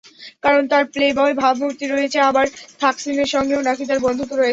কারণ, তাঁর প্লেবয় ভাবমূর্তি রয়েছে, আবার থাকসিনের সঙ্গেও নাকি তাঁর বন্ধুত্ব রয়েছে।